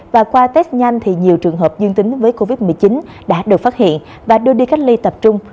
và qua test nhanh thì nhiều trường hợp dương tính với covid một mươi chín đã được phát hiện và đưa đi cách ly tập trung